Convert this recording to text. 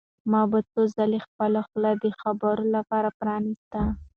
ما به څو ځله خپله خوله د خبرو لپاره پرانیسته.